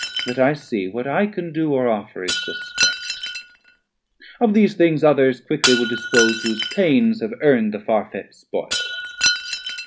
but I see What I can do or offer is suspect; Of these things others quickly will dispose 400 Whose pains have earn'd the far fet spoil.